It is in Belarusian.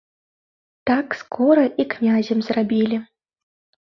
Так скора і князем зрабілі.